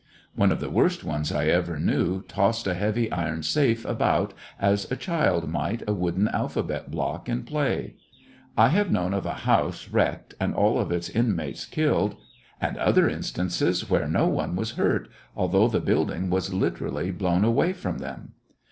One of the worst ones I ever knew tossed a heavy iron safe about as a child might a wooden alphabet block in play. I have known of a house wrecked and all of its in mates killed, and other instances where no one was hurt, although the building was liter ally blown away from them.